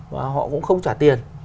và họ cũng không trả tiền